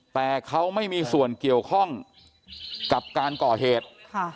แต่เขาไม่มีส่วนเกี่ยวข้องกับการก่อเหตุ